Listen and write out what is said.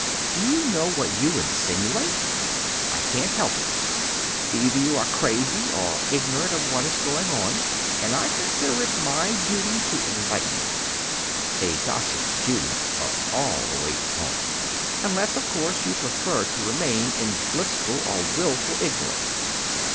Do you know what you insinuate?" "I can't help it. Either you are crazy, or ignorant of what is going on, and I consider it my duty to enlighten you," a gossip's duties are all away from home, "unless, of course, you prefer to remain in blissful or wilful ignorance."